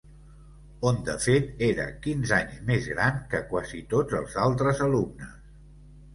On de fet era quinze anys més gran que quasi tots els altres alumnes.